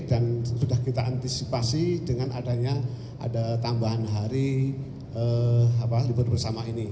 dan sudah kita antisipasi dengan adanya ada tambahan hari libur bersama ini